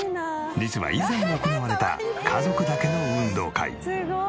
実は以前も行われた家族だけの運動会。